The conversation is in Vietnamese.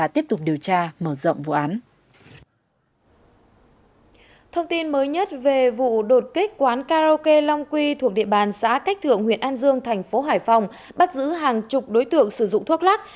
thông tin mới nhất về vụ đột kích quán karaoke long quy thuộc địa bàn xã cách thượng huyện an dương thành phố hải phòng bắt giữ hàng chục đối tượng sử dụng thuốc lắc